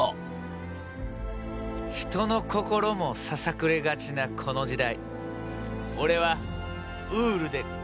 人の心もささくれがちなこの時代。